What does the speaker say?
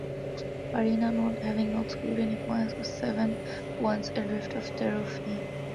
Farina, having not scored any points, was seven points adrift of Taruffi.